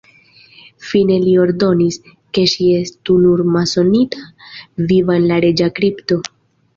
Fine li ordonis, ke ŝi estu "nur" masonita viva en la reĝa kripto.